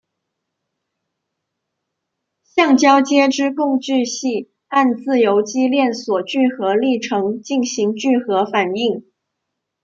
橡胶接枝共聚系按自由基链锁聚合历程进行聚合反应。